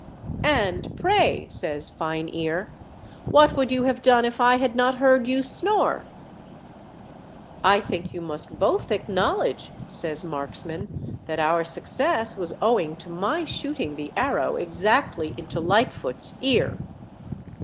'And, pray," says Fine ear, "what would you have done if I had not heard you snore?" "I think you must both acknowledge," says Marks man, "that our success was owing to my shooting the arrow exactly into Lightfoot's ear."